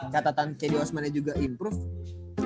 catatan cady osman nya juga improve